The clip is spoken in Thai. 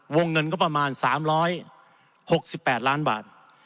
วงเงินก็ประมาณ๓๖๘ล้านบาท